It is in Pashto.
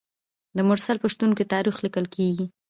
د مرسل په شتون کې تاریخ لیکل کیږي.